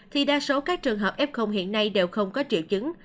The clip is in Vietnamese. thì đa số các trường hợp f hiện nay đều không có triệu chứng